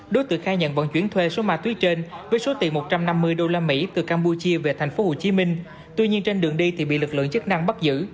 đối tượng khai nhận vận chuyển thuê số ma túy trên với số tiền một trăm năm mươi usd từ campuchia về thành phố hồ chí minh tuy nhiên trên đường đi thì bị lực lượng chức năng bắt giữ